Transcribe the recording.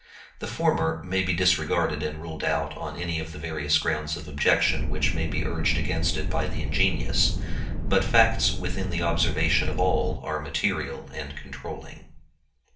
The former may be disregarded and ruled out on any of the various grounds of objection which may be urged against it by the ingenious; but facts within the observation of all are material and controlling.